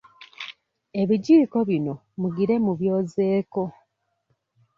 Ebijiiko bino mugire mubyozeeko.